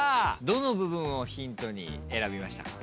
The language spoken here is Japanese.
どの部分をヒントに選びましたか？